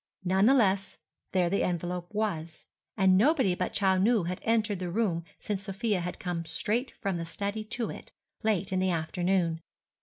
None the less, there the envelope was; and nobody but Chou Nu had entered the room since Sofia had come straight from the study to it, late in the afternoon.